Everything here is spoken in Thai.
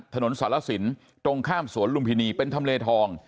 ถนนสารสินตรงข้ามสวนลุมพินีเป็นทำเลทอง